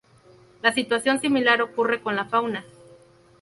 Una situación similar ocurre con la fauna.